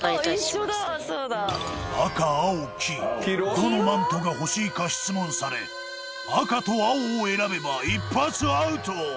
どのマントが欲しいか質問され赤と青を選べば一発アウト！